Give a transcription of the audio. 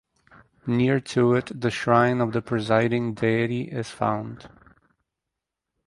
Near to it the shrine of the presiding deity is found.